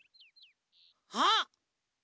あっ！